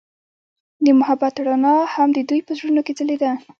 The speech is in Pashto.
د محبت رڼا هم د دوی په زړونو کې ځلېده.